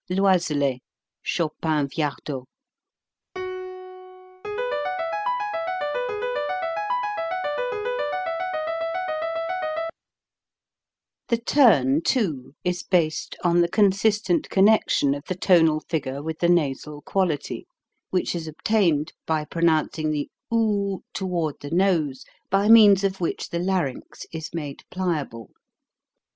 L'oiselet. Chopin Viardot The turn, too, based on the consistent con nection of the tonal figure with the nasal quality, which is obtained by pronouncing the oo toward the nose, by means of which the larynx is made pliable.